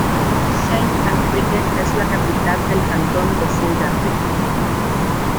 Saint-Affrique es la capital del cantón de Saint-Affrique.